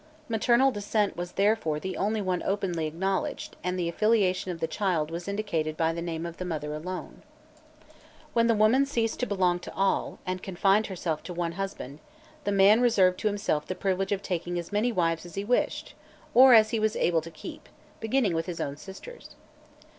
Maternal descent was, therefore, the only one openly acknowledged, and the affiliation of the child was indicated by the name of the mother alone. When the woman ceased to belong to all, and confined herself to one husband, the man reserved to himself the privilege of taking as many wives as he wished, or as he was able to keep, beginning with his own sisters.